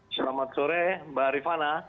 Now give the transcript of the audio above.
selamat sore mbak rifana